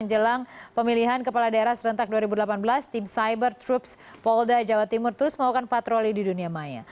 jelang pemilihan kepala daerah serentak dua ribu delapan belas tim cyber troops polda jawa timur terus melakukan patroli di dunia maya